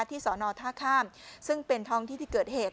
สอนอท่าข้ามซึ่งเป็นท้องที่ที่เกิดเหตุ